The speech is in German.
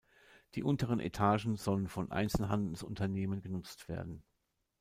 Die unteren Etagen sollen von Einzelhandelsunternehmen genutzt werden.